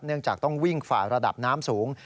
จากต้องวิ่งฝ่าระดับน้ำสูง